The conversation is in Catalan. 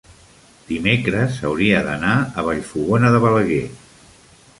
dimecres hauria d'anar a Vallfogona de Balaguer.